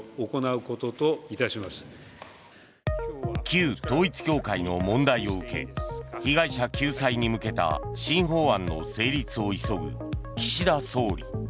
旧統一教会の問題を受け被害者救済に向けた新法案の成立を急ぐ岸田総理。